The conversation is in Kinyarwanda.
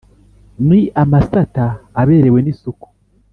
ni amasata aberewe n’isuku